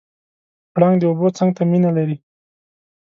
پړانګ د اوبو څنګ ته مینه لري.